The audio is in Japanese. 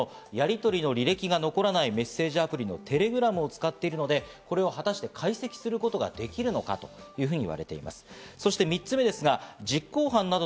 そして２つ目の物的証拠に関してもやりとりの履歴が残らないメッセージアプリのテレグラムを使っているので果たして解析することができるのかと言われています。